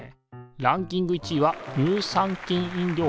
ランキング１位は乳酸菌飲料。